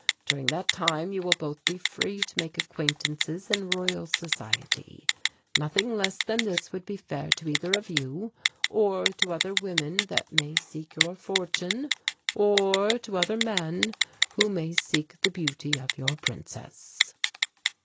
During that time you will both be free to make acquaintances in Royal Society. Nothing less than this would be fair to either of you, or to other women that may seek your fortune or to other men who may seek the beauty of your princess."